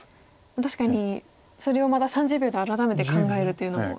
確かにそれをまた３０秒で改めて考えるというのも。